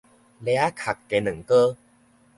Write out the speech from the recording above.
螺仔殼雞卵糕